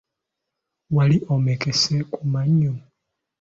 Wali omekese ku mannyo?